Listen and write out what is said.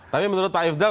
tapi menurut pak yudal